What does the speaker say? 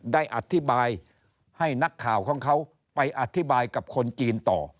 ได้อธิบายให้นักข่าวของเขาไปอธิบายกับคนจีนต่อ